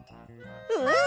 うん！